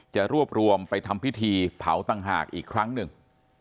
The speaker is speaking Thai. จะรวบรวมไปทำพิธีเผาต่างหากอีกครั้งหนึ่ง